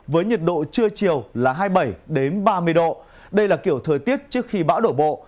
với nhiệt độ trưa chiều là hai mươi bảy ba mươi độ đây là kiểu thời tiết trước khi bão đổ bộ